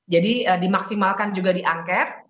jadi dimaksimalkan juga diangkat